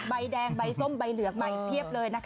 ใบแดงใบส้มใบเหลือกใบอีกเพียบเลย